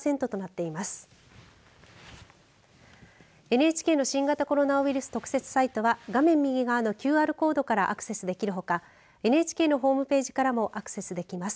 ＮＨＫの新型コロナウイルス特設サイトは画面右側のＱＲコードからアクセスできるほかＮＨＫのホームページからもアクセスできます。